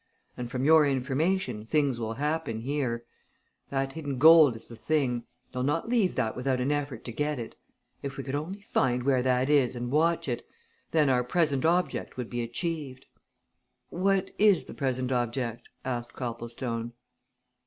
And, from your information, things will happen here! That hidden gold is the thing they'll not leave that without an effort to get it. If we could only find out where that is and watch it then our present object would be achieved." "What is the present object?" asked Copplestone.